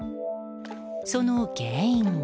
その原因が。